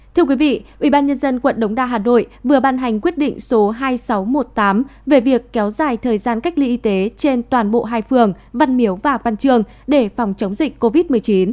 thưa quý vị ubnd quận đống đa hà nội vừa ban hành quyết định số hai nghìn sáu trăm một mươi tám về việc kéo dài thời gian cách ly y tế trên toàn bộ hai phường văn miếu và văn trường để phòng chống dịch covid một mươi chín